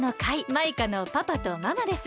マイカのパパとママです。